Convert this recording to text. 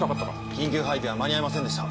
緊急配備は間に合いませんでした。